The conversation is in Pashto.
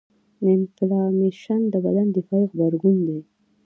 د انفلامیشن د بدن دفاعي غبرګون دی.